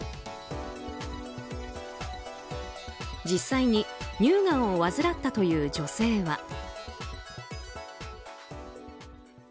実際に乳がんを患ったという女性は。